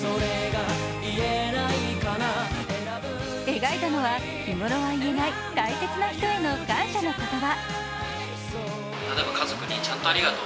描いたのは日頃は言えない大切な人への感謝の言葉。